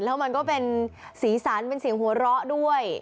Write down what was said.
แล้วมันก็เป็นสีสันเป็นเสียงหัวเราะด้วย